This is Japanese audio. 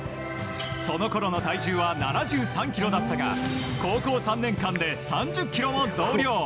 そのころの体重は７３ｋｇだったが高校３年間で３０ｋｇも増量。